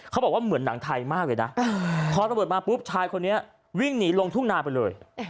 เขาบอกว่าเหมือนหนังไทยมากเลยนะพอตำรวจมาปุ๊บชายคนนี้วิ่งหนีลงทุ่งนาไปเลย